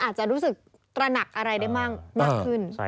อาจจะรู้สึกตระหนักอะไรได้มากขึ้น